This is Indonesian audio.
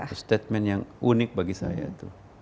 ini ada suatu statement yang unik bagi saya itu